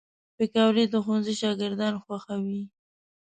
پکورې د ښوونځي شاګردان خوښوي